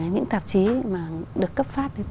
những tạp chí mà được cấp phát